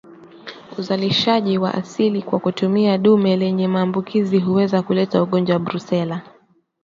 Uzalishaji wa asili kwa kutumia dume lenye maambukizi huweza kuleta ugonjwa wa Brusela